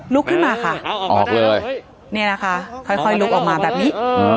ลุกขึ้นมาค่ะนี่ค่ะค่อยลุกออกมาแบบนี้